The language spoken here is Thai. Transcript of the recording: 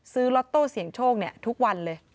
ซื้อล็อตโต้เสียงโชคนี่ทุกวันเลย